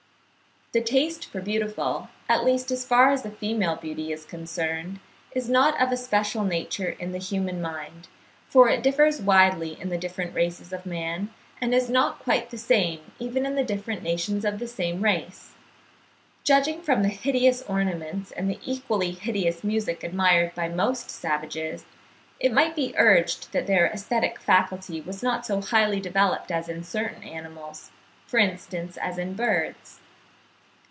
The taste for the beautiful, at least as far as female beauty is concerned, is not of a special nature in the human mind; for it differs widely in the different races of man, and is not quite the same even in the different nations of the same race. Judging from the hideous ornaments, and the equally hideous music admired by most savages, it might be urged that their aesthetic faculty was not so highly developed as in certain animals, for instance, as in birds.